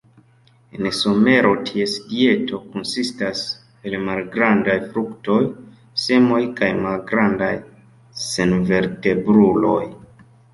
En somero ties dieto konsistas el malgrandaj fruktoj, semoj kaj malgrandaj senvertebruloj.